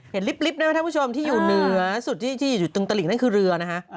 ลิฟต์นะครับท่านผู้ชมที่อยู่เหนือสุดที่อยู่ตรงตะหลิ่งนั่นคือเรือนะคะ